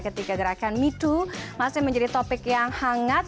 ketika gerakan me too masih menjadi topik yang hangat